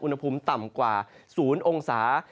อุณหภูมิต่ำกว่า๐องศา